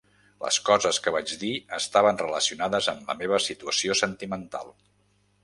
Les coses que vaig dir estaven relacionades amb la meva situació sentimental.